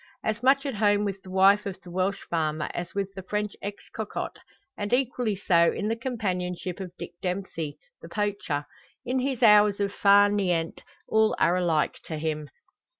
As much at home with the wife of the Welsh farmer as with the French ex cocotte, and equally so in the companionship of Dick Dempsey, the poacher. In his hours of far niente all are alike to him.